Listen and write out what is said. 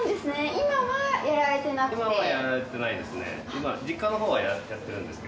今はやられてないですね。